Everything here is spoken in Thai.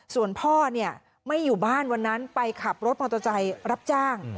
ส่วนพ่อไม่อยู่บ้านวันนั้นไปขับรถมอเตอร์ไซค์รับจ้าง